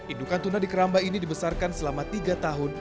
indukan tuna di keramba ini dibesarkan selama tiga tahun